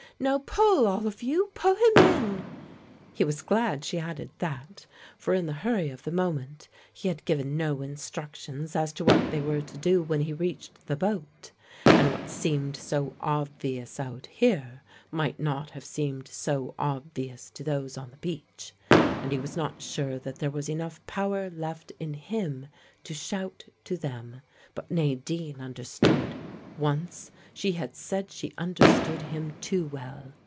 "Now pull, all of you, pull him in!" He was glad she added that, for in the hurry of the moment he had given no instructions as to what they were to do when he reached the boat; and what seemed so obvious out here might not have seemed so obvious to those on the beach, and he was not sure that there was enough power left in him to shout to them. But Nadine understood: once she had said she understood him too well.